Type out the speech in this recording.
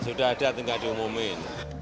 sudah ada tinggal diumumin